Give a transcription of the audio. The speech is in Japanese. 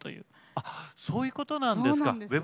あっそういうことなんですか。